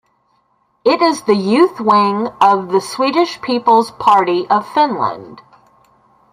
It is the youth wing of the Swedish People's Party of Finland.